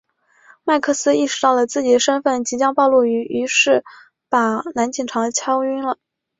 麦克斯意识到自己的身份即将暴露于是把男警察敲晕了。